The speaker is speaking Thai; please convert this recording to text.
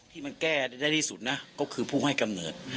ที่มันแก้ได้ที่สุดนะก็คือผู้ให้กำเนิด